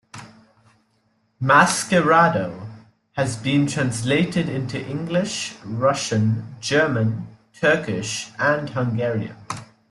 "Maskerado" has been translated into English, Russian, German, Turkish, and Hungarian.